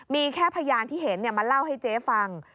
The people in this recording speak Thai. มีแค่พยานที่เห็นมาเล่าให้เจ๊ฟัง